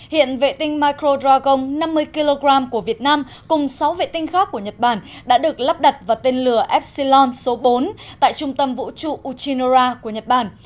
hiện vệ tinh micro dragon năm mươi kg của việt nam cùng sáu vệ tinh khác của nhật bản đã được lắp đặt vào tên lửa epsilon số bốn tại trung tâm vũ trụ uchinora của nhật bản